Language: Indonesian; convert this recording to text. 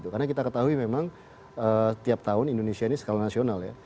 karena kita ketahui memang tiap tahun indonesia ini skala nasional ya